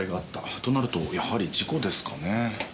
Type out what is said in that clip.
となるとやはり事故ですかね？